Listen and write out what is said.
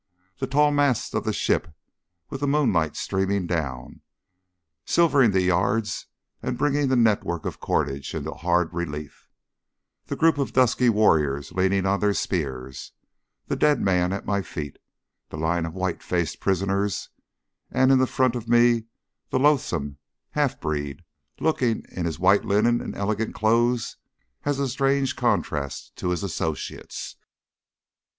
The tall masts of the ship with the moonlight streaming down, silvering the yards and bringing the network of cordage into hard relief; the group of dusky warriors leaning on their spears; the dead man at my feet; the line of white faced prisoners, and in front of me the loathsome half breed, looking in his white linen and elegant clothes a strange contrast to his associates.